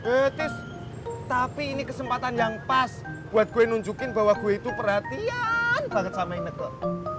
eh tis tapi ini kesempatan yang pas buat gue nunjukin bahwa gue itu perhatian banget sama inegor